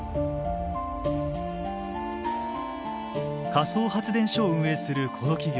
仮想発電所を運営するこの企業。